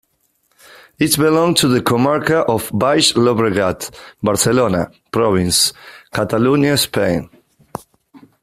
It belongs to the comarca of Baix Llobregat, Barcelona province, Catalonia, Spain.